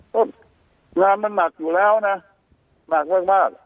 ก็งานมันหนักอยู่แล้วนะหนักมาก